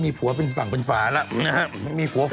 มีผัวฝั่งเป็นฝากมีผัวฝอด